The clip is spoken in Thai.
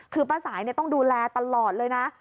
คือป้าสายต้องดูแลตลอดเลยนะ